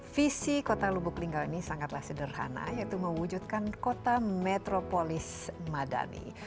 visi kota lubuk linggau ini sangatlah sederhana yaitu mewujudkan kota metropolis madani